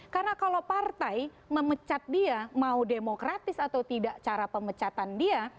karena kalau partai memecat dia mau demokratis atau tidak cara pemecatan dia